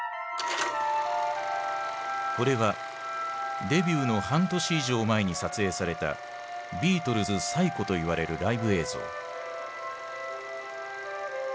これはデビューの半年以上前に撮影されたビートルズ最古といわれるライブ映像。